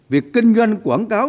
việc kinh doanh quảng cáo